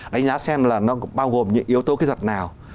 đánh giá xem là nó cũng bao gồm những yếu tố kỹ thuật nào